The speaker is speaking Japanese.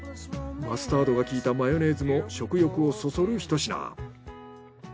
マスタードが効いたマヨネーズも食欲をそそるひと品。